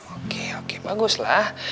oke oke baguslah